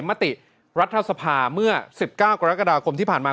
มติรัฐสภาเมื่อ๑๙กรกฎาคมที่ผ่านมา